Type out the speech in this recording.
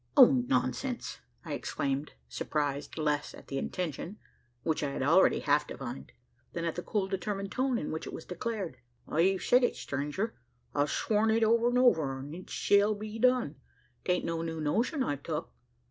"Oh! nonsense!" I exclaimed, surprised less at the intention which I had already half divined than at the cool determined tone in which it was declared. "I've said it, stranger! I've sworn it over an' over, an' it shell be done. 'Taint no new notion I've tuk.